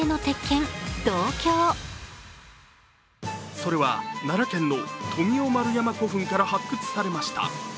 それは奈良県の富雄丸山古墳から発掘されました。